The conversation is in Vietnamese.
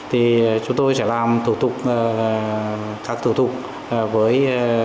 thì chúng tôi sẽ làm các thủ tục với